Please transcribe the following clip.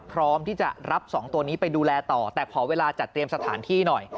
พร้อมที่จะรับสองตัวนี้ไปดูแลต่อแต่ขอเวลาจัดเตรียมสถานที่หน่อย